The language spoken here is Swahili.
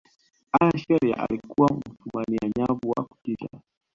allan shearer alikuwa mfumania nyavu wa kutisha